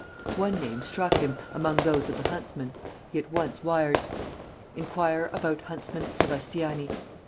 One name struck him, among those of the huntsmen. He at once wired: "Inquire about huntsman Sébastiani."